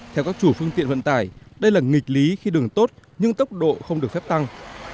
theo các chủ phương tiện vận tải đây là nghịch lý khi đường tốt nhưng tốc độ không được phép tăng